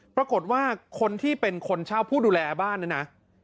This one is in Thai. ปรากฏว่าคนที่เป็นคนเช่าผู้ดูแลบ้านเนี่ยนะ